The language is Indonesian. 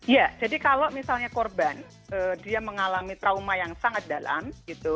ya jadi kalau misalnya korban dia mengalami trauma yang sangat dalam gitu